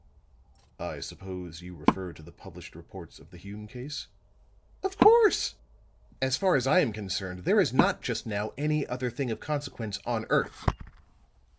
"I suppose, you refer to the published reports of the Hume case?" "Of course! As far as I am concerned, there is not, just now, any other thing of consequence on earth."